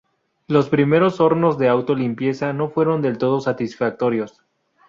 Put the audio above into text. Los primeros hornos de auto limpieza no fueron del todo satisfactorios.